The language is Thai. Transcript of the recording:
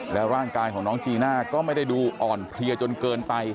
แล้วร่างกายของน้องจีน่าก็ไม่ได้ดูอ่อนเพลียจนเกินไป